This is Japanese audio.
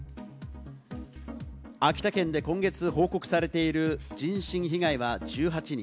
秋田県で今月報告されている人身被害は１８人。